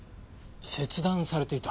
切断されていた。